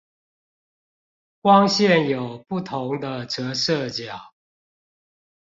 光線有不同的折射角